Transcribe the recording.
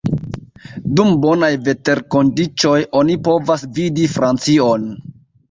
Dum bonaj veterkondiĉoj oni povas vidi Francion.